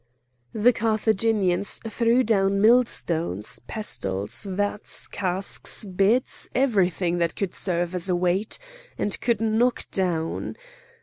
The Carthaginians threw down mill stones, pestles, vats, casks, beds, everything that could serve as a weight and could knock down.